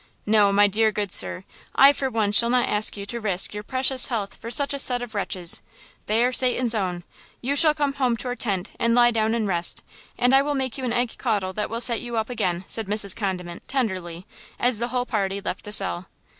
"No, my dear good sir! I for one shall not ask you to risk your precious health for such a set of wretches! They are Satan's own! You shall come home to our tent and lie down to rest, and I will make you an egg caudle that will set you up again," said Mrs. Condiment, tenderly, as the whole party left the cell.